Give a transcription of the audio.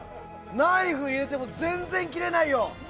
ナイフ入れても全然切れないよ！